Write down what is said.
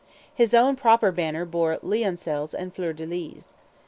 His own proper banner bore lioncels and fleur de lis.